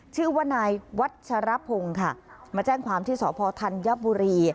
ชื่อว่านายวัชรพงศ์มาแจ้งความที่สนธัณฑ์ยะบุรี